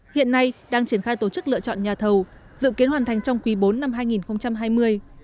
hiện nay đang triển khai tổ chức lựa chọn nhà thầu dự kiến hoàn thành trong quý bốn năm hai nghìn hai mươi